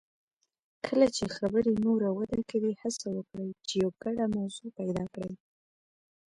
کله چې خبرې نوره وده کوي، هڅه وکړئ چې یو ګډه موضوع پیدا کړئ.